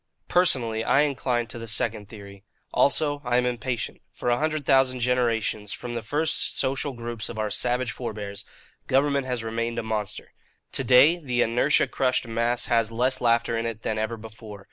"Personally, I incline to the second theory. Also, I am impatient. For a hundred thousand generations, from the first social groups of our savage forbears, government has remained a monster. To day, the inertia crushed mass has less laughter in it than ever before.